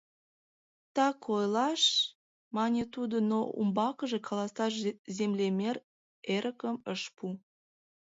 — Так ойлаш, — мане тудо, но умбакыже каласаш землемер эрыкым ыш пу.